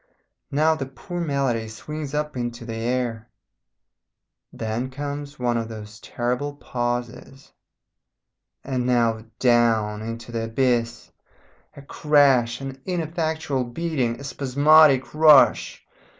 Now the poor melody swings up into the air then comes one of those terrible pauses, and now down into the abyss. A crash, an ineffectual beating, a spasmodic rush.